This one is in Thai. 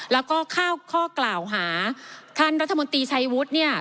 แล้วก็เข้าข้อกล่าวหาท่านรัฐมนตรีชัยวุฒิเนี่ย